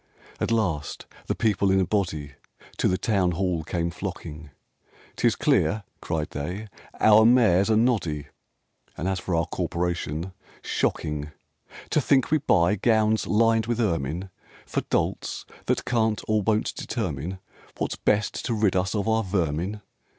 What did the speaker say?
Ill At last the people in a body To the Town Hall came flocking: 'Tis clear," cried they, "our Mayor's a noddy; And as for our Corporation, shocking To think we buy gowns lined with ermine For dolts that can't or won't determine What's best to rid us of our vermin!